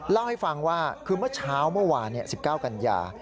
เล่าให้ฟังว่าคือเมื่อเช้าเมื่อวาน๑๙กันยา